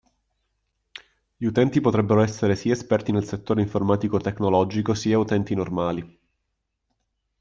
Gli utenti potrebbero essere sia esperti nel settore informatico/tecnologico, sia utenti normali.